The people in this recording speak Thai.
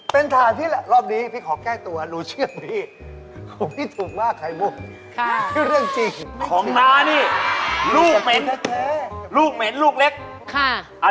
เห็นหน้าก็ซ้ำแล้วนะครับเฮ่ยหน้าเขาตลกไหนล่ะ